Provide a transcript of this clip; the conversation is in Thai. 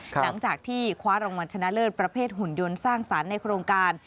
หลังจากที่คว้ารางวัลชนะเลิศประเภทหุ่นยนต์สร้างสรรค์ในโครงการ